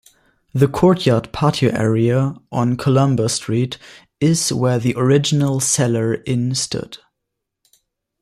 The courtyard patio area on Columbus street is where the original Zeller Inn stood.